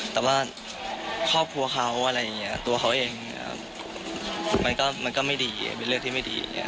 แต่ว่าครอบครัวเขาอะไรอย่างนี้ตัวเขาเองมันก็ไม่ดีเป็นเรื่องที่ไม่ดี